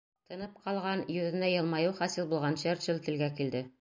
Тынып ҡалған, йөҙөнә йылмайыу хасил булған Черчилль телгә килде: